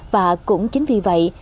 và cũng chính vì vậy